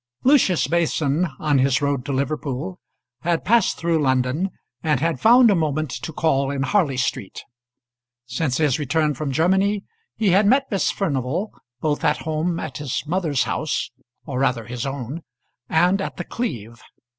Lucius Mason on his road to Liverpool had passed through London, and had found a moment to call in Harley Street. Since his return from Germany he had met Miss Furnival both at home at his mother's house or rather his own and at The Cleeve.